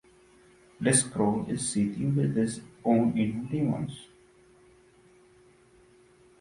Driscoll is seething with his own inner demons.